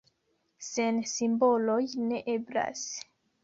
Sen simboloj ne eblas.